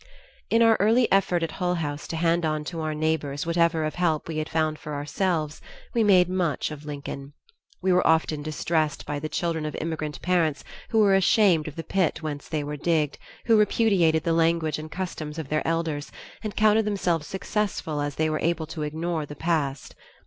In our early effort at Hull House to hand on to our neighbors whatever of help we had found for ourselves, we made much of Lincoln. We were often distressed by the children of immigrant parents who were ashamed of the pit whence they were digged, who repudiated the language and customs of their elders, and counted themselves successful as they were able to ignore the past.